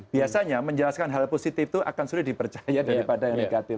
biasanya menjelaskan hal positif itu akan sulit dipercaya daripada yang negatif